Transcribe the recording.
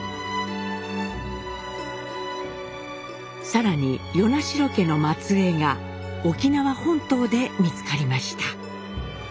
更に与那城家の末えいが沖縄本島で見つかりました。